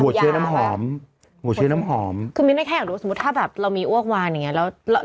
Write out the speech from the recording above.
เชื้อน้ำหอมหัวเชื้อน้ำหอมคือมิ้นได้แค่อยากรู้สมมุติถ้าแบบเรามีอ้วกวานอย่างเงี้แล้ว